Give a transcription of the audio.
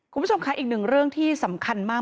คุณผู้ชมค่ะอีกหนึ่งเรื่องที่สำคัญมาก